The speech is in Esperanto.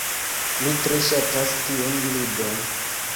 Mi tre ŝatas tiun ludon.